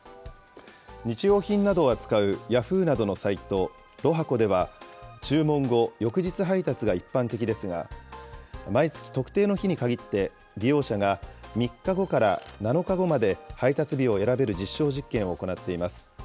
日用品などを扱うヤフーなどのサイト、ＬＯＨＡＣＯでは、注文後、翌日配達が一般的ですが、毎月、特定の日に限って利用者が３日後から７日後まで配達日を選べる実証実験を行っています。